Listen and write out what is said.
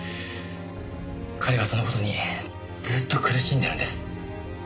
彼はその事にずっと苦しんでるんです。